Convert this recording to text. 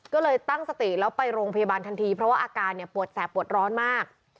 ก็เลยตั้งสติแล้วไปโรงพยาบาลทันทีเพราะว่าอาการเนี่ยปวดแสบปวดร้อนมาก